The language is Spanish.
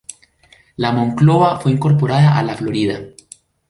La Monclova fue incorporada a la Florida.